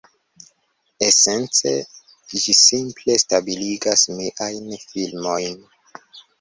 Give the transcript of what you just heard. Esence ĝi simple stabiligas miajn filmojn.